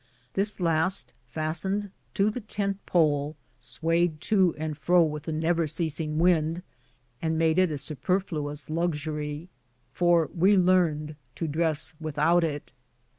This last, fastened to the tent pole, swayed to and fro with the never ceasing wind, and made it a superfluous luxury, for we learned to dress without it.